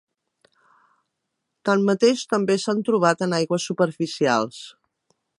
Tanmateix, també s'han trobat en aigües superficials.